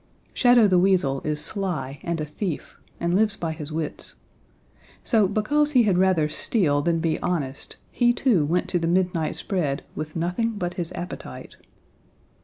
Shadow the Weasel is sly and a thief and lives by his wits. So because he had rather steal than be honest, he too went to the midnight spread with nothing but his appetite.